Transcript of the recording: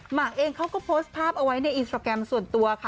หมากเองเขาก็โพสต์ภาพเอาไว้ในอินสตราแกรมส่วนตัวค่ะ